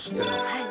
はい。